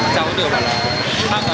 cháu cũng đều là là